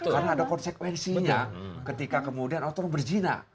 karena ada konsekuensinya ketika kemudian oh terus berjina